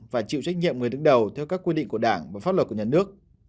và chịu trách nhiệm người đứng đầu theo các quy định của đảng và pháp luật của nhà nước